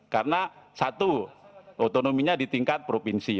karena satu otonominya di tingkat provinsi